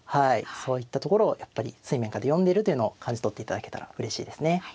そういったところをやっぱり水面下で読んでるというのを感じ取っていただけたらうれしいですね。